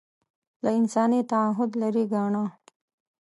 له انساني تعهد لرې ګاڼه